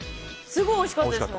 すごいおいしかったです！